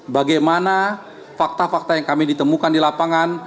bagaimana fakta fakta yang kami ditemukan di lapangan